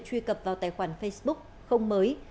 truy cập vào tài khoản facebook không mới